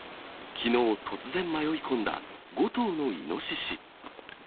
きのう、突然迷い込んだ５頭のイノシシ。